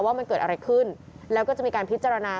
ว่ามันเกิดอะไรขึ้นแล้วก็จะมีการพิจารณา